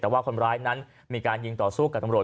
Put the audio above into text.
แต่ว่าคนร้ายนั้นมีการยิงต่อสู้กับตำรวจ